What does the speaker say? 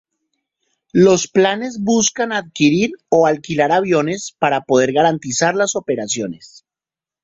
Los planes buscan adquirir o alquilar aviones para poder garantizar las operaciones.